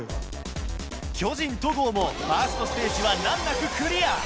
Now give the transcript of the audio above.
巨人・戸郷もファーストステージは難なくクリア